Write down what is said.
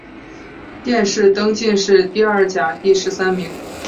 殿试登进士第二甲第十三名。